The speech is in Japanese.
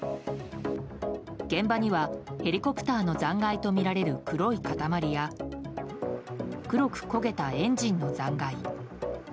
現場にはヘリコプターの残骸とみられる黒い塊や黒く焦げたエンジンの残骸。